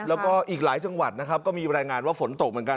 แล้วก็อีกหลายจังหวัดนะครับก็มีรายงานว่าฝนตกเหมือนกัน